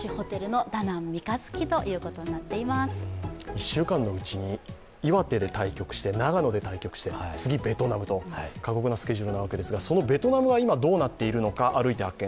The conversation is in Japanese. １週間のうちに岩手で対局して、長野で対局して、次、ベトナムと、過酷なスケジュールなわけですけどそのベトナムが今がどうなっているのか、「歩いて発見！